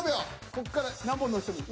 こっから何本乗せてもいい。